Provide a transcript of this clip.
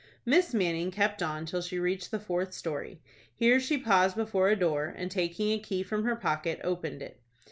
Miss Manning kept on till she reached the fourth story. Here she paused before a door, and, taking a key from her pocket, opened it.